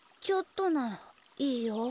ちょっとならいいよ。